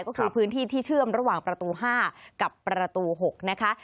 ก็คือพื้นที่ที่เชื่อมระหว่างประตู๕กับประตู๖นะคะ